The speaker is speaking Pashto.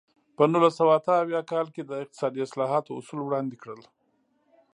په نولس سوه اته اویا کال کې د اقتصادي اصلاحاتو اصول وړاندې کړل.